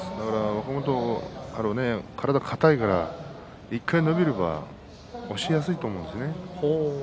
若元春、体が硬いから１回伸びれば、押しやすいと思うんですよね。